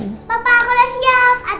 cantik sekali si bajunya